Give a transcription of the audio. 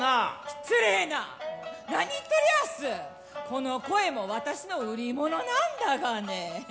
この声も私の売り物なんだがね。